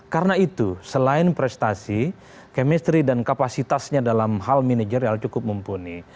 karena itu selain prestasi kemisteri dan kapasitasnya dalam hal managerial cukup mumpuni